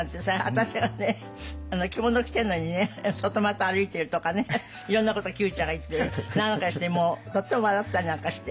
私が着物着てるのにね外股歩いてるとかねいろんなことを九ちゃんが言ってるなんかしてとっても笑ったりなんかして。